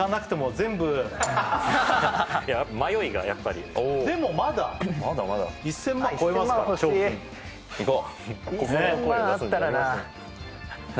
全部いや迷いがやっぱりでもまだ１０００万超えますから何？